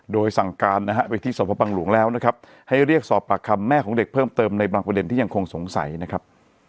โดยสั่งการนะฮะไปที่สพบังหลวงแล้วนะครับให้เรียกสอบปากคำแม่ของเด็กเพิ่มเติมในบางประเด็นที่ยังคงสงสัยนะครับ